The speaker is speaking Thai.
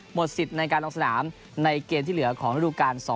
สิทธิ์ในการลงสนามในเกมที่เหลือของฤดูการ๒๐